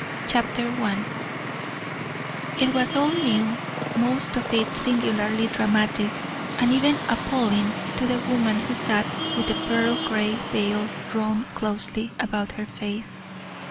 '" CHAPTER I It was all new most of it singularly dramatic and even appalling to the woman who sat with the pearl gray veil drawn closely about her face.